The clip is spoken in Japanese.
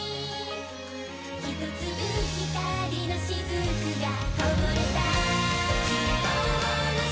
「一粒光の雫がこぼれた」